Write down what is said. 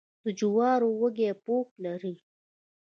د جوارو وږی پوښ لري.